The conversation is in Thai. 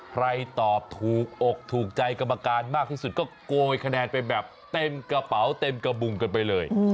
ตอบถูกอกถูกใจกรรมการมากที่สุดก็โกยคะแนนไปแบบเต็มกระเป๋าเต็มกระบุงกันไปเลย